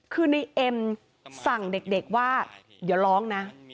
คือในเอ็มสั่งเด็กว่าเดี๋ยวร้องนะ